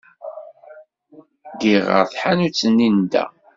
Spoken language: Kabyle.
Ddiɣ ɣer tḥanut-nni n da.